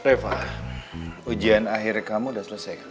eva ujian akhir kamu udah selesai kan